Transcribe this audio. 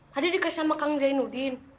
tadi dikasih sama kang jainuddin